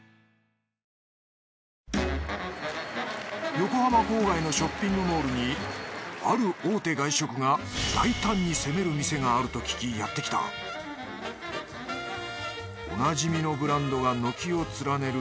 横浜郊外のショッピングモールにある大手外食が大胆に攻める店があると聞きやってきたおなじみのブランドが軒を連ねる